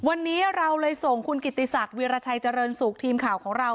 วันนี้เราเลยส่งคุณกิติศักดิราชัยเจริญสุขทีมข่าวของเรา